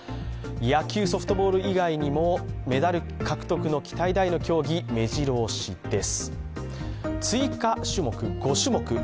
野球・ソフトボール以外にもメダル獲得の期待大の競技、めじろ押しです。